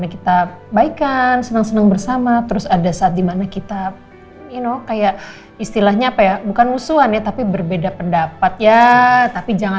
gak boleh bawa masalah ke tempat lain